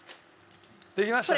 できましたか？